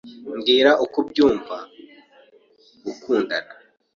Mbwira uko byumva gukundana.